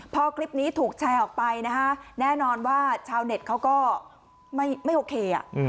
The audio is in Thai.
พอคลิปนี้ถูกแชร์ออกไปนะฮะแน่นอนว่าชาวเน็ตเขาก็ไม่โอเค